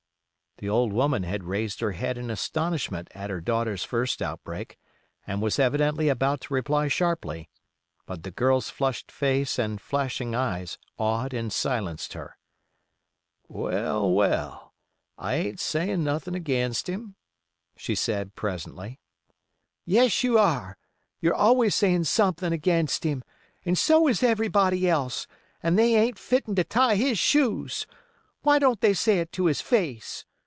The old woman had raised her head in astonishment at her daughter's first outbreak, and was evidently about to reply sharply; but the girl's flushed face and flashing eyes awed and silenced her. "Well, well, I ain't sayin' nothin' against him," she said, presently. "Yes, you air—you're always sayin' somethin' against him—and so is everybody else—and they ain't fitten to tie his shoes. Why don't they say it to his face!